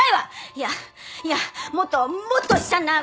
いやいやもっともっと悲惨な。